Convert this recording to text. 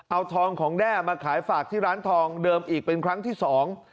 เอาทองของแด้มาขายฝากที่ร้านทองเดิมอีกเป็นครั้งที่สอง